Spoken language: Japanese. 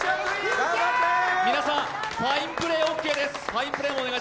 皆さん、ファインプレー、オーケーです。